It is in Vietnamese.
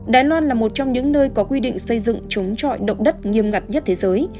đài loan là một trong những nơi có quy định xây dựng chống trọi động đất nghiêm ngặt nhất thế giới